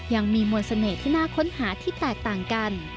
ยังมีมวลเสน่ห์ที่น่าค้นหาที่แตกต่างกัน